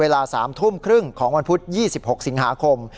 เวลา๓ทุ่มครึ่งของวันพุธ๒๖สิงหาคม